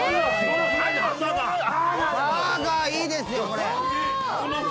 バーガーいいですよこれ。